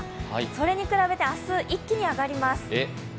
それに比べて、明日、一気に上がります。